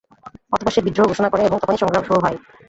অতঃপর সে বিদ্রোহ ঘোষণা করে এবং তখনই সংগ্রাম শুরু হয়।